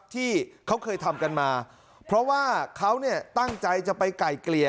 ที่เขาเคยทำกันมาเพราะว่าเขาเนี่ยตั้งใจจะไปไก่เกลี่ย